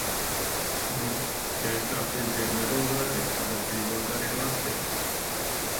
Nu - ja es kā friziere nerullēju, tad lai dzīvo ar gariem matiem.